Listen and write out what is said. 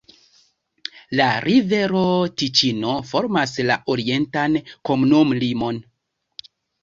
La rivero Tiĉino formas la orientan komunumlimon.